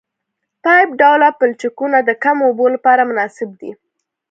پایپ ډوله پلچکونه د کمو اوبو لپاره مناسب دي